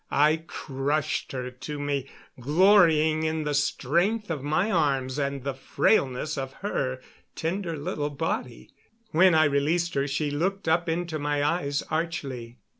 I crushed her to me, glorying in the strength of my arms and the frailness of her tender little body. When I released her she looked up into my eyes archly.